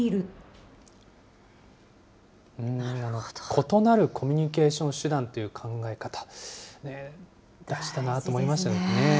異なるコミュニケーション手段という考え方、大事だなと思いましたよね。